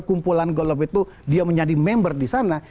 kepada oposisi siapa yang menyumbang